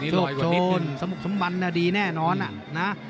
โชคโชนสมบัณฑ์ดีแน่นอนนะ